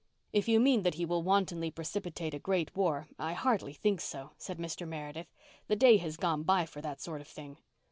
"If you mean that he will wantonly precipitate a great war I hardly think so," said Mr. Meredith. "The day has gone by for that sort of thing."